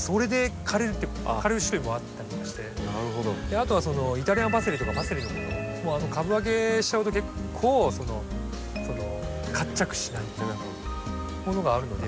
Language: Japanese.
あとはイタリアンパセリとかパセリのものも株分けしちゃうと結構その活着しないものがあるので。